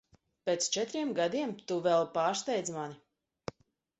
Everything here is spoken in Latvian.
Pēc četriem gadiem tu vēl pārsteidz mani.